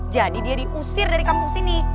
jadi dia diusir dari kampung sini